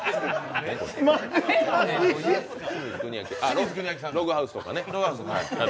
あ、ログハウスとかね。